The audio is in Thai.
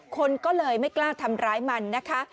คนก็เลยไม่กล้าทำร้ายมันนะคะ